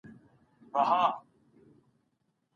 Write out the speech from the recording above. ایا دا کار واقعا ذهني ازادي راوړي؟